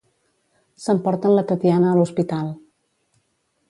S'emporten la Tatiana a l'hospital.